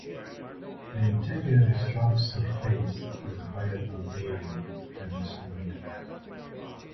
The interior is rough-surfaced, with a higher albedo than the surroundings.